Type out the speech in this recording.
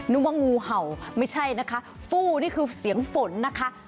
นึกว่างูเห่าไม่ใช่นะคะฟู้นี่คือเสียงฝนนะคะ